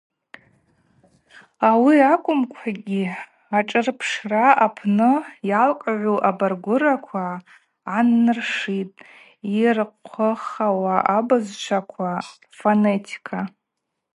Ауи акӏвымкӏвагьи, ашӏырпшра апны йалкӏгӏу абаргвыраква гӏаннаршитӏ йырхъвыххауа абызшваква рфонетика.